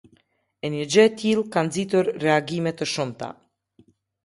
E një gjë e tillë ka nxitur reagime të shumta.